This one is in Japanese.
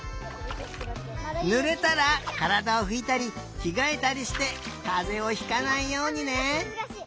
ぬれたらからだをふいたりきがえたりしてかぜをひかないようにね！